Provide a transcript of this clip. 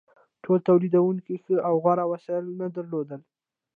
ټولو تولیدونکو ښه او غوره وسایل نه درلودل.